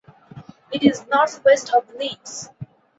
It is north-west of Leeds.